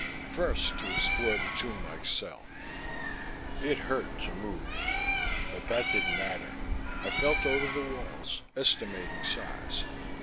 First, to explore the tomb like cell. It hurt to move, but that didn't matter. I felt over the walls, estimating size.